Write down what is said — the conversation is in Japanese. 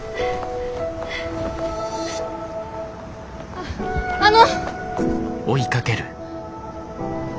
あっあの！